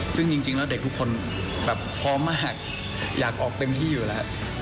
ซึ่งจริงแล้วเด็กทุกคนแบบพร้อมมากอยากออกเต็มที่อยู่แล้ว